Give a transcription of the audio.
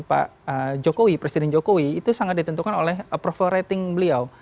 yang terakhir adalah endorsement pak jokowi presiden jokowi itu sangat ditentukan oleh approval rating beliau